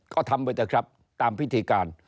ก็ทำไปเถอะครับตามพิธีการ